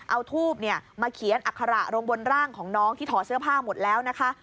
เอาทูบมาเขียนอัคระลงบนร่างของน้องที่ถอดเสื้อผ้าหมดแล้วนะคะ